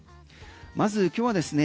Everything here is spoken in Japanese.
まず今日はですね